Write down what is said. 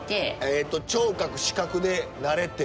聴覚視覚で慣れて。